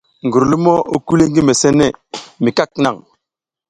Gurlumo i kuli ngi mesene mi kwak naŋ.